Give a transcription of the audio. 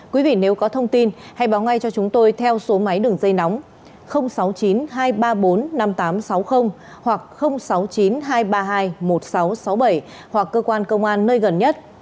quý vị nếu có thông tin hãy báo ngay cho chúng tôi theo số máy đường dây nóng sáu mươi chín hai trăm ba mươi bốn năm nghìn tám trăm sáu mươi hoặc sáu mươi chín hai trăm ba mươi hai một nghìn sáu trăm sáu mươi bảy hoặc cơ quan công an nơi gần nhất